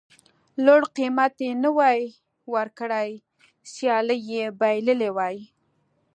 لوړ قېمت یې نه وای ورکړی سیالي یې بایللې وای.